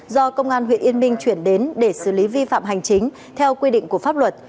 do công an huyện yên minh chuyển đến để xử lý vi phạm hành chính theo quy định của pháp luật